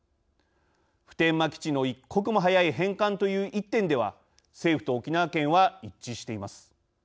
普天間基地の一刻も早い返還という１点では政府と沖縄県は一致しています。